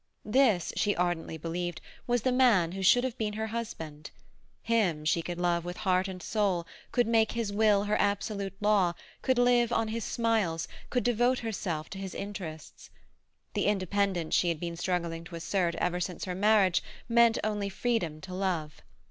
This, she ardently believed, was the man who should have been her husband. Him she could love with heart and soul, could make his will her absolute law, could live on his smiles, could devote herself to his interests. The independence she had been struggling to assert ever since her marriage meant only freedom to love.